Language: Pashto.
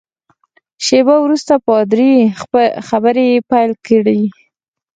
شېبه وروسته پادري خبرې پیل کړې.